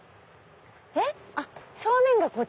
えっ？